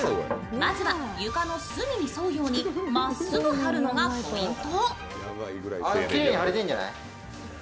まずは床の隅に沿うように真っすぐ張るのがポイント。